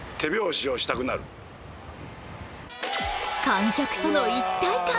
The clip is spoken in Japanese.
観客との一体感